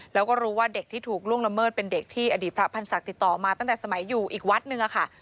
แล้วก็รู้ว่าเด็กที่ถูกล่วงละเมิดเป็นเด็กที่อดีตพระพันธ์ศักดิ์ติดต่อมาตั้งแต่สมัยอยู่อีกวัดนึงค่ะ